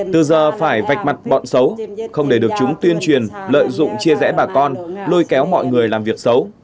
từ giờ phải vạch mặt bọn xấu không để được chúng tuyên truyền lợi dụng chia rẽ bà con lôi kéo mọi người làm việc xấu